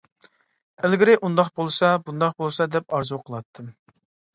ئىلگىرى ئۇنداق بولسا، بۇنداق بولسا دەپ ئارزۇ قىلاتتىم.